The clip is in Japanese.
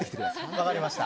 分かりました。